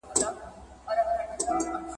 زه له سهاره سبزیحات جمع کوم!؟